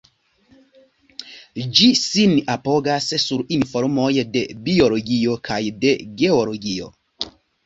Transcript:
Ĝi sin apogas sur informoj de Biologio kaj de Geologio.